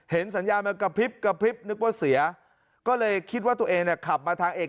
เห็นสัญญาณมากระพริบนึกว่าเสียก็เลยคิดว่าตัวเองขับมาทางเอก